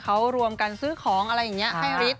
เขารวมกันซื้อของอะไรอย่างนี้ให้ฤทธิ